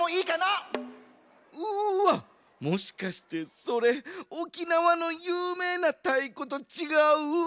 うわっもしかしてそれ沖縄のゆうめいなたいことちがう？